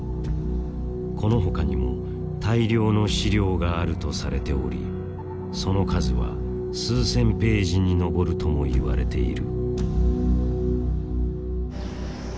このほかにも大量の資料があるとされておりその数は数千ページに上るとも言われている。